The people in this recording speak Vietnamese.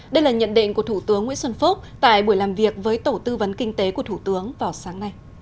đây là nhận định của thủ tướng nguyễn xuân phúc tại buổi làm việc với tổ tư vấn kinh tế của thủ tướng vào sáng nay